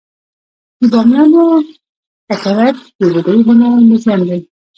د بامیانو ککرک د بودايي هنر موزیم دی